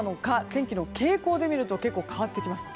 天気の傾向で見ると結構変わってきます。